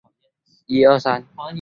所以他爬上了旁边的岩架。